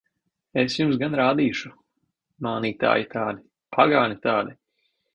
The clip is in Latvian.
Es jums gan rādīšu! Mānītāji tādi! Pagāni tādi!